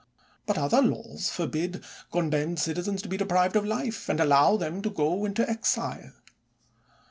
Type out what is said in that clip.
But other laws forbid condemned citizens to be deprived of life, and allow them to go into exile.